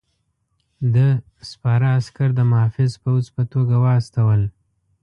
ده سپاره عسکر د محافظ پوځ په توګه واستول.